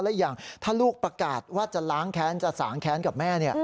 และอีกอย่างถ้าลูกประกาศว่าจะล้างแค้นจะสางแค้นกับแม่